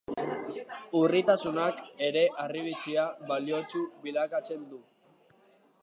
Urritasunak ere harribitxia baliotsu bilakatzen du.